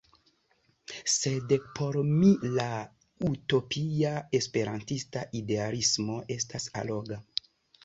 Sed por mi la utopia esperantista idealismo estas alloga.